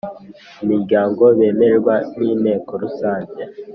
imiryango bemerwa n Inteko rusange